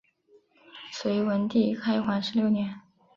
隋文帝开皇十六年。